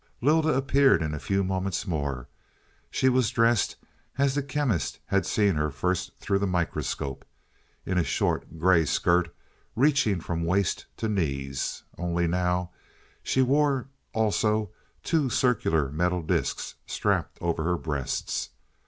Lylda appeared in a few moments more. She was dressed as the Chemist had seen her first through the microscope in a short, grey skirt reaching from waist to knees. Only now she wore also two circular metal discs strapped over her breasts.